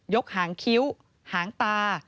หางคิ้วหางตา